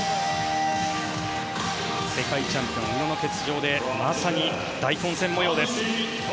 世界チャンピオン宇野の欠場でまさに大混戦模様です。